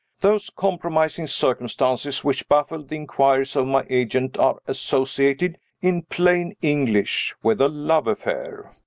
Those compromising circumstances which baffled the inquiries of my agent are associated, in plain English, with a love affair.